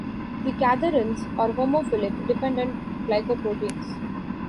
The cadherins are homophilic -dependent glycoproteins.